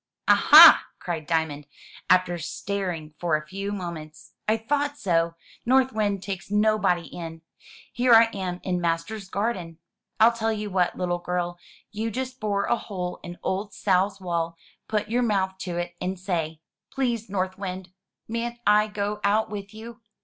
"Ah, ah!" cried Diamond, after staring for a few moments "I thought so! North Wind takes nobody in! Here I am in master's garden! I tell you what, little girl, you just bore a hole in old Sal's wall, put your mouth to it, and say, 'Please, North 436 THROUGH FAIRY HALLS Wind, mayn't I go out with you?'